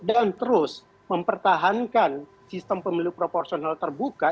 dan terus mempertahankan sistem pemilu proporsional terbuka